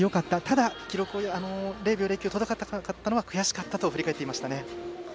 ただ、記録が０秒０９届かなかったのは悔しかったと振り返っていましたね。